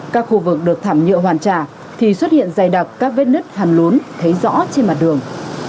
các khu vực được thảm nhựa hoàn trả thì xuất hiện dày đặc các vết nứt hẳn lún thấy rõ trên mặt đường